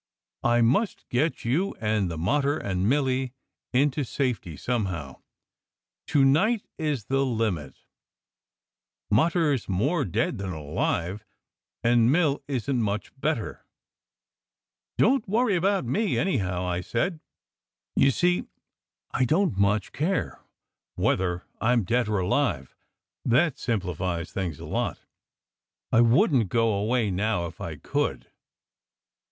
"I must get you and the mater and Milly into safety somehow. To night is the limit. 222 SECRET HISTORY Mater s more dead than alive, and Mill isn t much bet ter." "Don t worry about me, anyhow," I said. "You see, I don t much care whether I m dead or alive. That simplifies things a lot ! I wouldn t go away now if I could."